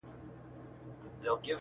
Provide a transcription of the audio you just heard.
سپين لاسونه د ساقي به چيري وېشي!